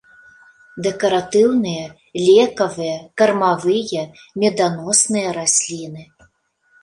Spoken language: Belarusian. Дэкаратыўныя, лекавыя, кармавыя, меданосныя расліны.